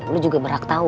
lo juga berhak tahu